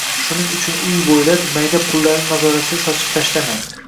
Shuning uchun uy bo‘ylab mayda pullarni nazoratsiz sochib tashlamang